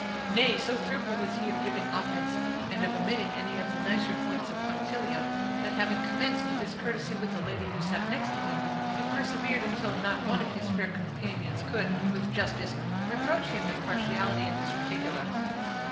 Nay, so fearful was he of giving offense, and of omitting any of the nicer points of punctilio, that having commenced this courtesy with the lady who sat next him, he persevered until not one of his fair companions could, with justice, reproach him with partiality in this particular.